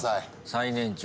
最年長。